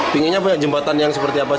pinginnya pak jembatan yang seperti apa sih